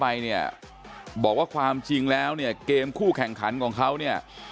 ไปเนี่ยบอกว่าความจริงแล้วเนี่ยเกมคู่แข่งขันของเขาเนี่ย